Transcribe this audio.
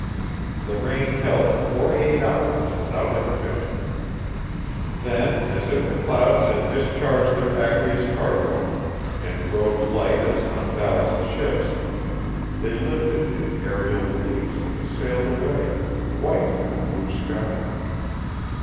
The rain held forty eight hours without intermission. Then, as if the clouds had discharged their aqueous cargo and rode light as unballasted ships, they lifted in aerial fleets and sailed away, white in a blue sky.